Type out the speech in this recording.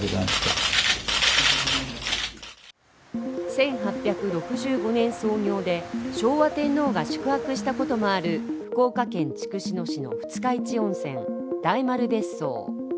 １８６５年創業で昭和天皇が宿泊したこともある福岡県筑紫野市の二日市温泉・大丸別荘。